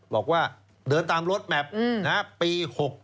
บอกว่าเดินตามรถแมพปี๖๖